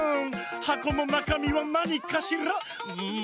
「はこのなかみはなにかしら？」ん